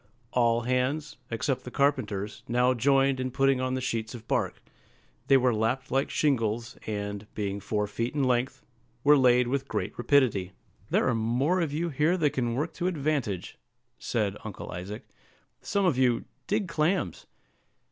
All hands, except the carpenters, now joined in putting on the sheets of bark; they were lapped like shingles, and, being four feet in length, were laid with great rapidity. "There are more of you here than can work to advantage," said Uncle Isaac; "some of you, dig clams."